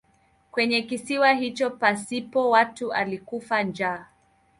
Kwenye kisiwa hicho pasipo watu alikufa njaa.